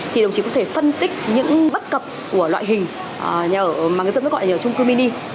thì đồng chí có thể phân tích những bất cập của loại hình mà người dân gọi là chung cư mini